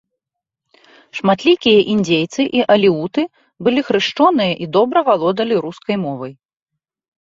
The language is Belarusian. Шматлікія індзейцы і алеуты былі хрышчоныя і добра валодалі рускай мовай.